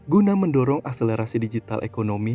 guna mendorong akselerasi digital ekonomi